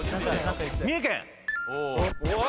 三重県。わ！